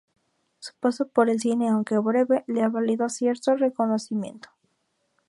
Su paso por el cine, aunque breve, le ha valido cierto reconocimiento.